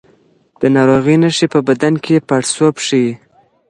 د ناروغۍ نښې په بدن کې پاړسوب ښيي.